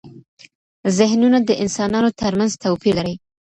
زهنونه د انسانانو ترمنځ توپیر لري.